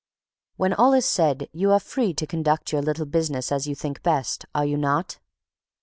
When all is said, you are free to conduct your little business as you think best, are you not?